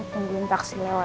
tungguin taksi lewat aja deh